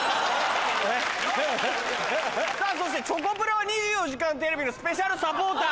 さぁそしてチョコプラは『２４時間テレビ』のスペシャルサポーター。